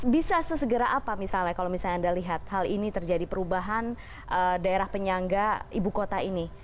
bisa sesegera apa misalnya kalau misalnya anda lihat hal ini terjadi perubahan daerah penyangga ibu kota ini